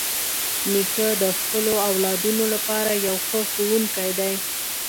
نیکه د خپلو اولادونو لپاره یو ښه ښوونکی دی.